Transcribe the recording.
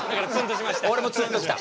俺もツンとした。